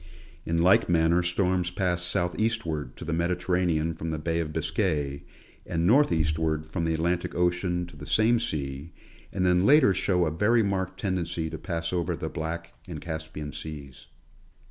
In like manner storms pass southeastward to the Mediterranean from the Bay of Biscay, and northeastward from the Atlantic ocean to the same sea, and then later show a very marked tendency to pass over the Black and Caspian seas.